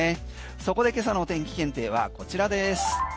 そこで今朝のお天気検定はこちらです。